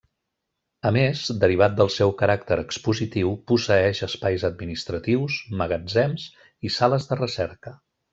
A més, derivat del seu caràcter expositiu, posseeix espais administratius, magatzems i sales de recerca.